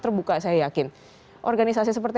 terbuka saya yakin organisasi seperti